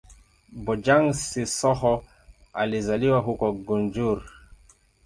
Bojang-Sissoho alizaliwa huko Gunjur.